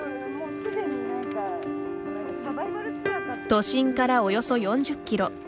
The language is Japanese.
都心からおよそ４０キロ。